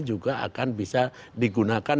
juga akan bisa digunakan